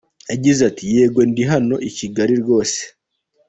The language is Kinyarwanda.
Yagize ati: "Yego ndi hano i Kigali rwose.